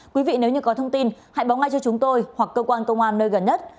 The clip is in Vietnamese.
quý vị nếu như có thông tin hãy báo ngay cho chúng tôi hoặc cơ quan công an nơi gần nhất